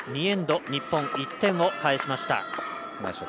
２エンド、日本、１点を返しました。